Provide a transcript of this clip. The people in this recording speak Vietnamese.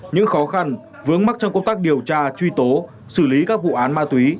những khó khăn vướng mắc trong công tác điều tra truy tố xử lý các vụ án ma túy